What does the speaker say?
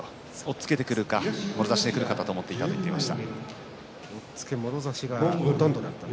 押っつけてくるかもろ差しでくるかと思っていたということです。